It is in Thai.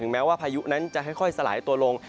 แม้ว่าพายุนั้นจะค่อยสลายตัวลง